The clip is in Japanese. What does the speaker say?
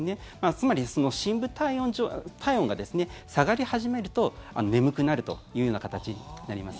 つまり、深部体温が下がり始めると眠くなるというような形になります。